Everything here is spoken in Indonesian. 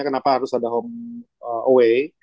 kenapa harus ada home away